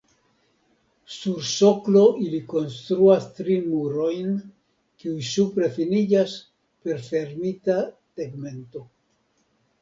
Sur soklo ili konstruas tri murojn, kiuj supre finiĝas per fermita tegmento.